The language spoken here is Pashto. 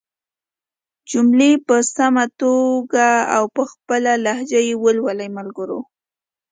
جملې په سمه توګه او په خپله لهجه ېې ولولئ ملګرو!